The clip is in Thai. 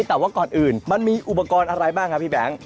แต่ว่าก่อนอื่นมันมีอุปกรณ์อะไรบ้างครับพี่แบงค์